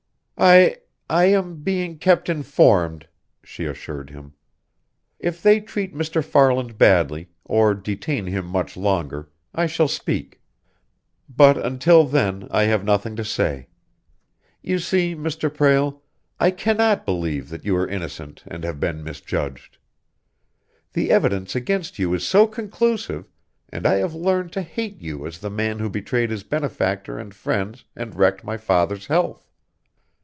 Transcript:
"I I am being kept informed," she assured him. "If they treat Mr. Farland badly, or detain him much longer, I shall speak. But until then, I have nothing to say. You see, Mr. Prale, I cannot believe that you are innocent and have been misjudged. The evidence against you is so conclusive, and I have learned to hate you as the man who betrayed his benefactor and friends and wrecked my father's health.